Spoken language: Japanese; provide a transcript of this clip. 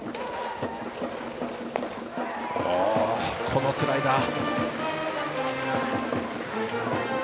このスライダー。